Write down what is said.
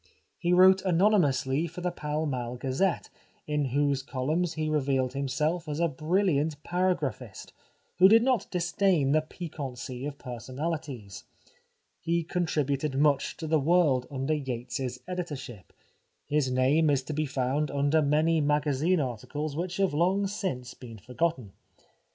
He wrote anonymously for The Pall Mall Gazette, in whose columns he revealed him self as a brilliant paragraphist, who did not dis dain the piquancy of personalities ; he contri buted much to The World under Yates's editor ship ; his name is to be found under many magazine articles which have long since been forgotten.